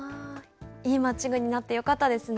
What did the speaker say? いいマッチングになってよかったですね。